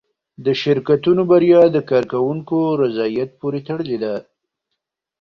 د شرکتونو بریا د کارکوونکو رضایت پورې تړلې ده.